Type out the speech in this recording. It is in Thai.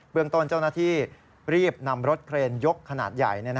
เมืองต้นเจ้าหน้าที่รีบนำรถเครนยกขนาดใหญ่